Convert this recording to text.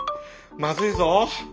まずいぞ！